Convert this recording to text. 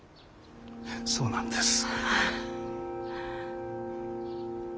そうなんです。